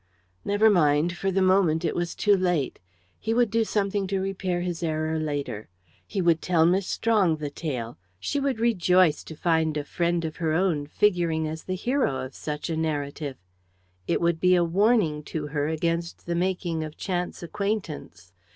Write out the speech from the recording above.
Never mind for the moment it was too late. He would do something to repair his error later. He would tell Miss Strong the tale; she would rejoice to find a friend of her own figuring as the hero of such a narrative; it would be a warning to her against the making of chance acquaintance!